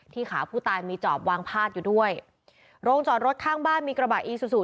ขาผู้ตายมีจอบวางพาดอยู่ด้วยโรงจอดรถข้างบ้านมีกระบะอีซูซู